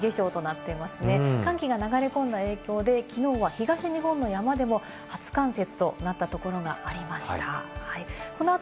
はい、雪化粧となっていますね、寒気が流れ込んだ影響できのうは東日本の山でも初冠雪となったところがありました。